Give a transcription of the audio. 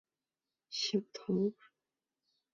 小桃纻